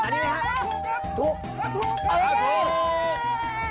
ถูก